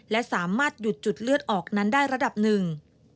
และสามารถหยุดจุดเลือดออกนั้นได้ระดับหนึ่ง